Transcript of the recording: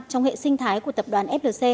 trong hệ sinh thái của tập đoàn flc